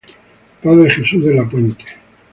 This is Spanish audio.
Padre Jesús de la Puente.